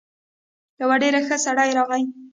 يو ډېر ښه سړی راغی.